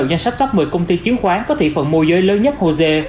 trong danh sách top một mươi công ty chính khoán có thị phần mua giới lớn nhất của hồ sê